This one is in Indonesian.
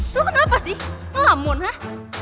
lo kenapa sih ngelamun hah